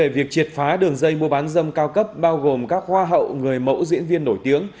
bán dâm cao cấp bao gồm các hoa hậu người mẫu diễn viên nổi tiếng